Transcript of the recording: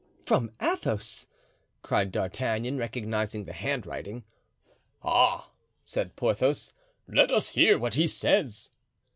"From Athos!" cried D'Artagnan, recognizing the handwriting. "Ah!" said Porthos, "let us hear what he says."